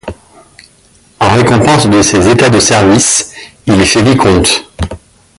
En récompense de ses états de service, il est fait vicomte.